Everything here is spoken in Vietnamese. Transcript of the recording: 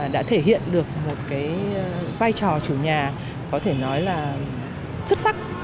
đã thể hiện được một vai trò chủ nhà có thể nói là xuất sắc